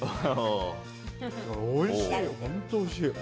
おいしい。